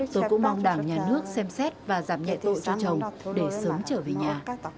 tôi cũng mong đảng nhà nước xem xét và giảm nhẹ tội cho chồng để sớm trở về nhà